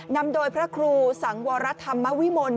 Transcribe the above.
นำโดยพระครูสังวรธรรมวิมล